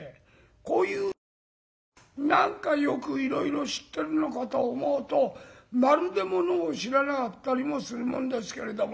こういう人は何かよくいろいろ知ってるのかと思うとまるでものを知らなかったりもするもんですけれども。